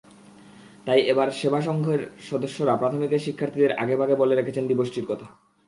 তাই এবার সেবা সংঘের সদস্যরা প্রাথমিকের শিক্ষার্থীদের আগেভাগে বলে রেখেছেন দিবসটির কথা।